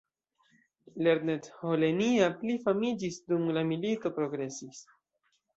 Lernet-Holenia pli famiĝis dum la milito progresis.